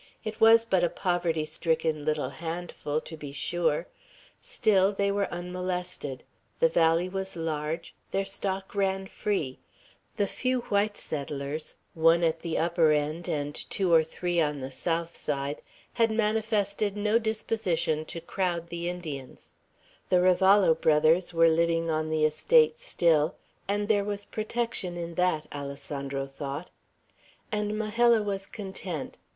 It was but a poverty stricken little handful, to be sure; still, they were unmolested; the valley was large; their stock ran free; the few white settlers, one at the upper end and two or three on the south side, had manifested no disposition to crowd the Indians; the Ravallo brothers were living on the estate still, and there was protection in that, Alessandro thought. And Majella was content.